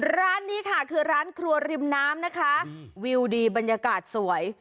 ร้านนี้ค่ะคือร้านครัวริมน้ำนะคะวิวดีบรรยากาศสวย